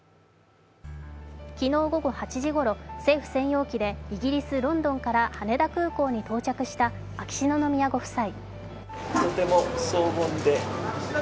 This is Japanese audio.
昨日午後８時ごろ、政府専用機でイギリス・ロンドンから羽田空港に到着した秋篠宮ご夫妻。